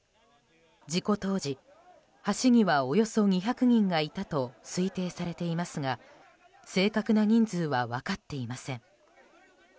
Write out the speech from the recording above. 事故当時、橋にはおよそ２００人がいたと推定されていますが正確な人数は分かっていません。